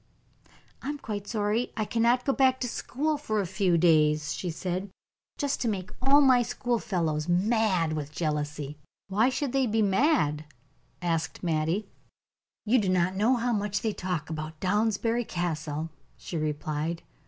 "I am quite sorry I cannot go back to school for a few days," she said, "just to make all my school fellows mad with jealousy." "Why should they be mad?" asked Mattie. "You do not know how much they talk about Downsbury Castle," she replied.